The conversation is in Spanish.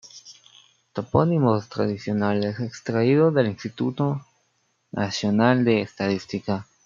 Topónimos tradicionales extraídos del Instituto Nacional de Estadística.